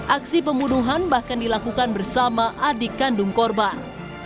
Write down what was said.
aksi pembunuhan bahkan dilakukan bersama adik kandung korban